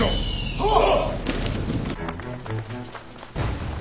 はっ！